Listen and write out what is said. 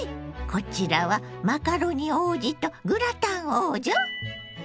こちらはマカロニ王子とグラタン王女？